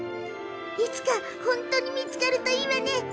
いつか本当に見つかるといいわね！